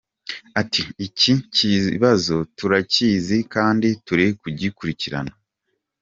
Ati“Iki kibazo turakizi kandi turi kugikurikirana.